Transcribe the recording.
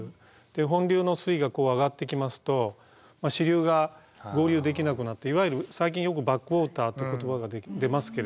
本流の水位がこう上がってきますと支流が合流できなくなっていわゆる最近よくバックウォーターって言葉が出ますけれど。